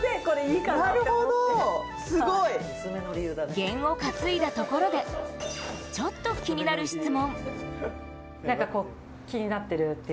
ゲンを担いだところでちょっと気になる質問。